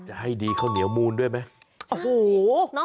จะให้ดีข้าวเหนียวมูลด้วยไหม